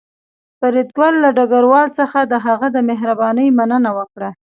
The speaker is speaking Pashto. فریدګل له ډګروال څخه د هغه د مهربانۍ مننه وکړه